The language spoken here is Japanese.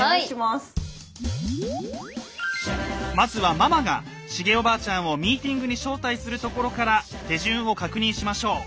まずはママがシゲおばあちゃんをミーティングに招待するところから手順を確認しましょう。